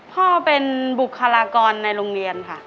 พ่อเป็นบุคลากรในโรงเรียนค่ะ